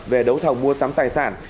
về đấu thầu mua sắm tài sản